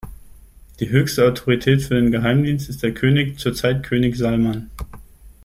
Die höchste Autorität für den Geheimdienst ist der König, zurzeit König Salman.